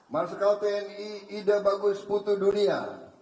marsikal tni ide bagus putu dunia